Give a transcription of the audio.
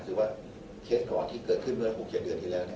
คือว่าเคสก่อนที่เกิดขึ้นเมื่อ๖๗เดือนที่แล้ว